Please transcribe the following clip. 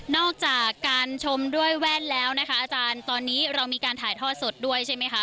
อกจากการชมด้วยแว่นแล้วนะคะอาจารย์ตอนนี้เรามีการถ่ายทอดสดด้วยใช่ไหมคะ